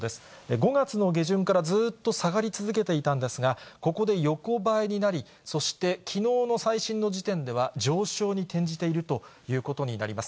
５月の下旬からずっと下がり続けていたんですが、ここで横ばいになり、そしてきのうの最新の時点では、上昇に転じているということになります。